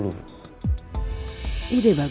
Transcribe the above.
ya udah deh